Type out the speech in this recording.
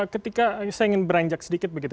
ketika saya ingin beranjak sedikit begitu